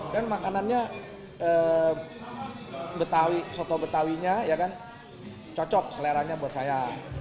dan makanannya soto betawi nya ya kan cocok seleranya buat saya